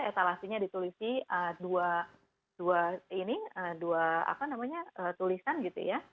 etalasinya ditulisi dua tulisan gitu ya